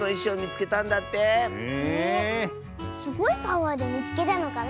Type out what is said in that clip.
すごいパワーでみつけたのかな。